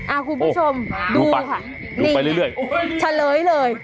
อ่าคุณผู้ชมดูค่ะเดี่ยงไปเรื่อยเฉลยเลย